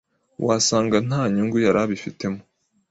Wasanga nta nyungu yarabifitemo